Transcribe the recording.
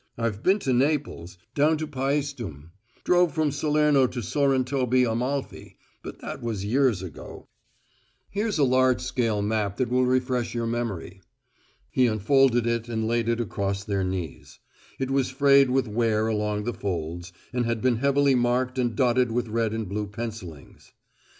I've been to Naples; down to Paestum; drove from Salerno to Sorrentoby Amalfi; but that was years ago." "Here's a large scale map that will refresh your memory." He unfolded it and laid it across their knees; it was frayed with wear along the folds, and had been heavily marked and dotted with red and blue pencillings.